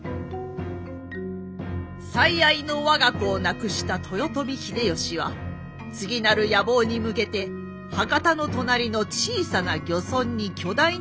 最愛の我が子を亡くした豊臣秀吉は次なる野望に向けて博多の隣の小さな漁村に巨大な城を建造。